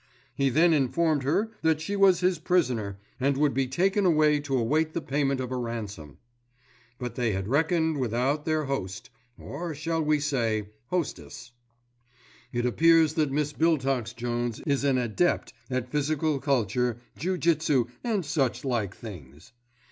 He then informed her that she was his prisoner, and would be taken away to await the payment of a ransom. But they had reckoned without their host, or shall we say hostess. It appears that Miss Biltox Jones is an adept at physical culture, ju jitsu and such like things.